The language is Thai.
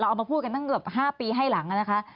เอามาพูดกันตั้งเกือบ๕ปีให้หลังนะคะ